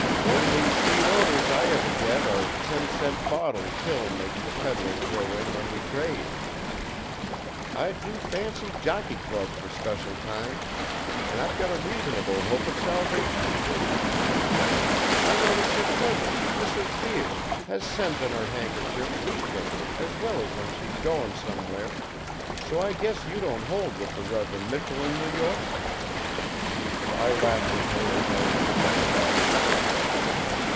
Only sweet odors I ever get are the ten cent bottles Hill makes the pedlar throw in when we trade. I do fancy Jockey Club for special times, an' I've got a reasonable hope of salvation, too. I notice your cousin, Mrs. Vere, has scent on her handkerchief week days as well as when she's goin' somewhere, so I guess you don't hold with the Rev'rund Michell in New York?" I laughed with her as I took up the bag of eggs.